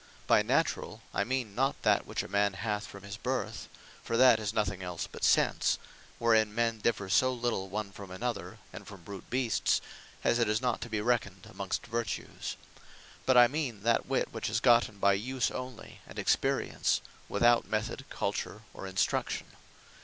By Naturall, I mean not, that which a man hath from his Birth: for that is nothing else but Sense; wherein men differ so little one from another, and from brute Beasts, as it is not to be reckoned amongst Vertues. But I mean, that Witte, which is gotten by Use onely, and Experience; without Method, Culture, or Instruction.